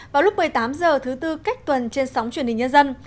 vào lúc một mươi tám h thứ tư cách tuần trên sóng truyền hình nhân dân